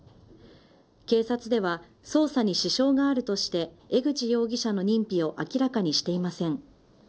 警察では捜査に支障があるとして江口容疑者の認否を明らかにしていません。